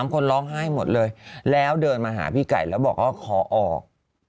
คนร้องไห้หมดเลยแล้วเดินมาหาพี่ไก่แล้วบอกว่าขอออก